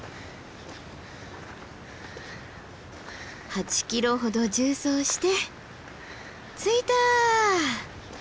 ８ｋｍほど縦走して着いた。